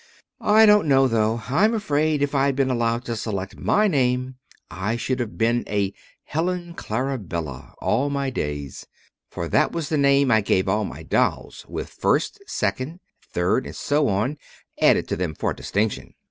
I don't know, though, I'm afraid if I'd been allowed to select my name I should have been a 'Helen Clarabella' all my days, for that was the name I gave all my dolls, with 'first,' 'second,' 'third,' and so on, added to them for distinction.